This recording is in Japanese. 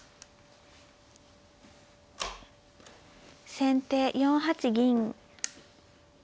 先手４八銀。